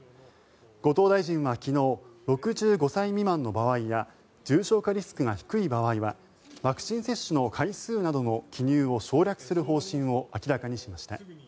後藤大臣は昨日６５歳未満の場合や重症化リスクが低い場合はワクチン接種の回数などの記入を省略する方針を明らかにしました。